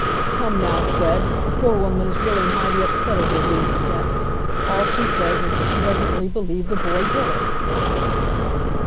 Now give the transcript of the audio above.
"Come, now, Fred, the poor woman is really mighty upset over Rood's death! All she says is that she doesn't really believe the boy did it."